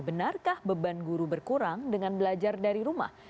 benarkah beban guru berkurang dengan belajar dari rumah